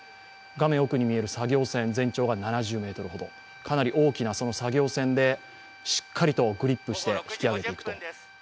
画面奥に見える作業船、全長が７０ｍほどかなり大きな作業船でしっかりとグリップして引き揚げていると。